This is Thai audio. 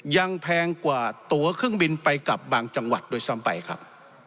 แพงกว่าตัวเครื่องบินไปกับบางจังหวัดด้วยซ้ำไปครับ